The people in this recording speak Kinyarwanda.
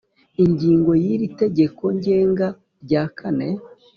ingingo y iri tegeko ngenga rya kane